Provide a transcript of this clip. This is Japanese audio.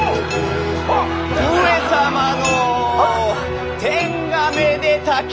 上様の天下めでたき